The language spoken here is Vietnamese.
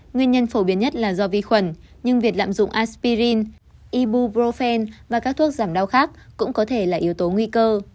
nguyên nhân phổ biến nhất là do vi khuẩn nhưng việc lạm dụng aspirin ibu profen và các thuốc giảm đau khác cũng có thể là yếu tố nguy cơ